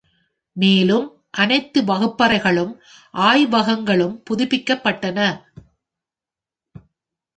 மேலும் அனைத்து வகுப்பறைகளும் ஆய்வகங்களும் புதுப்பிக்கப்பட்டன.